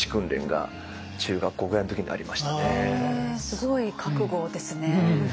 すごい覚悟ですね。